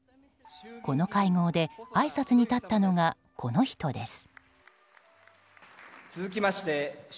この会合であいさつに立ったのがこの人です。